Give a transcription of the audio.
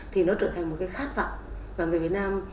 thì nó trở thành một cái khát vọng và người việt nam